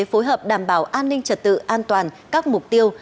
phối hợp đảm bảo an ninh trật tự an toàn các mục tiêu